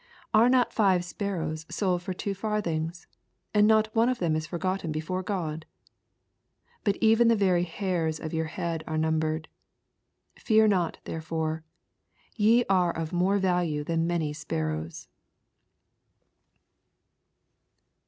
6 Are not five sparrows sold for two farthings, and not one of them ifi forgotten before*God ? 7 But even the very hfurs of your head are all numbered. Fear not, therefore : ye are of more value thaQ many sparrows.